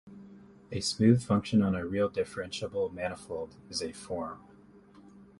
A smooth function on a real differentiable manifold is a -form.